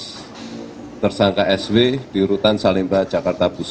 kami lakukan tindakan penahanan masing masing saudara fl di urutan salimba cabang kejaksaan agung